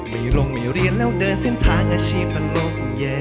ไม่ลงไม่เรียนแล้วเดินเส้นทางอาชีพประนุก